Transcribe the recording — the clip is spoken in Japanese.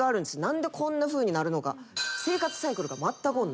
何でこんなふうになるのか？